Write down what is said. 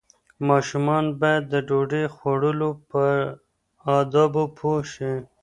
ماشومان باید د ډوډۍ خوړلو په آدابو پوه شي.